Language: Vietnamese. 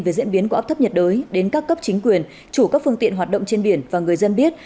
về diễn biến của áp thấp nhiệt đới đến các cấp chính quyền chủ các phương tiện hoạt động trên biển và người dân biết